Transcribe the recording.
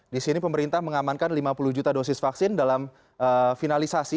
di sini pemerintah mengamankan lima puluh juta dosis vaksin dalam finalisasi